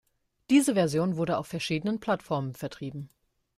Diese Version wurde auf verschiedenen Plattformen vertrieben.